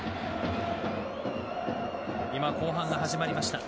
今、後半が始まりました。